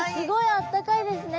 あったかいですね。